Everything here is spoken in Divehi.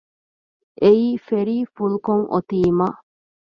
އެއީ ފެރީ ފުލްކޮށް އޮތީމަ